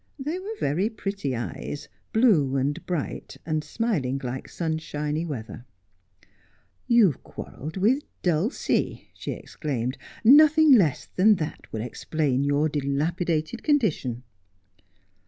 They were very pretty eyes — blue and bright, and smiling like sunshiny weather. ' You have quarrelled with Dulcie !' she exclaimed. ' Nothing less than that would explain your dilapidated condition.'